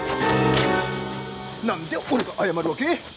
何で俺が謝るわけ？